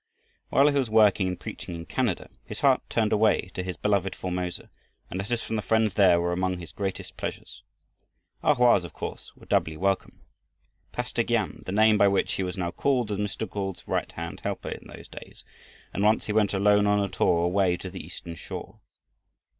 While he was working and preaching in Canada, his heart turned always to his beloved Formosa, and letters from the friends there were among his greatest pleasures. A Hoa's of course, were doubly welcome. Pastor Giam, the name by which he was now called, was Mr. Gauld's right hand helper in those days, and once he went alone on a tour away to the eastern shore.